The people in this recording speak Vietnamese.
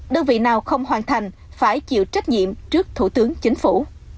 đơn vị nào không hoàn thành phải chịu trách nhiệm trước thủ tướng chính phủ